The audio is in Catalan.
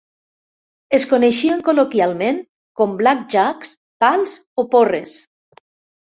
Es coneixen col·loquialment com blackjacks, pals o porres.